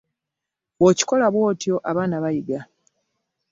Bw’okikola bw’otyo abaana bayiga.